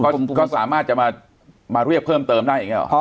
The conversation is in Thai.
ก็สามารถจะมาเรียกเพิ่มเติมได้อย่างนี้หรอ